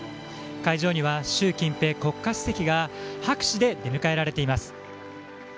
会場には習近平国家主席が拍手で出迎えられています。